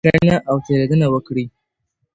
بښنه او تېرېدنه وکړئ.